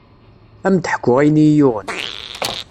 Ad m-d-ḥkuɣ ayen i yi-yuɣen.